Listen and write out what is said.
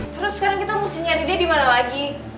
terus sekarang kita harus nyari dia dimana lagi